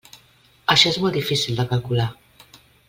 Això és molt difícil de calcular.